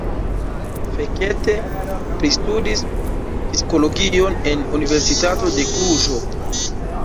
Fekete pristudis psikologion en Universitato de Kluĵo.